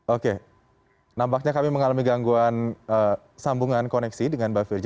oke nampaknya kami mengalami gangguan sambungan koneksi dengan mbak virgi